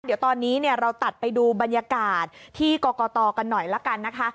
เดี๋ยวตอนนี้เราตัดไปดูบรรยากาศที่กรกตกันหน่อยละกันนะคะ